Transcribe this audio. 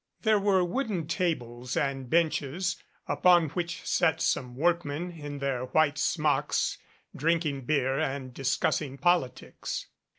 There were wooden tables and benches upon which sat some workmen in their white smocks drink ing beer and discussing politics.